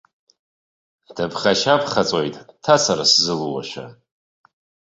Дыԥхашьаԥхаҵоит ҭацара сзылуашәа.